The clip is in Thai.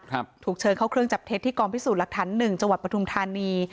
ถูกเชิญเข้าเครื่องจับเท็จที่กองพิสูจน์หลักฐานหนึ่งจังหวัดปทุมธานี